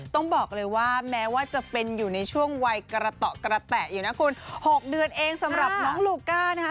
ต้องบอกเลยว่าแม้ว่าจะเป็นอยู่ในช่วงวัยกระต่อกระแตะอยู่นะคุณ๖เดือนเองสำหรับน้องลูก้านะคะ